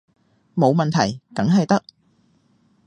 冇問題，梗係得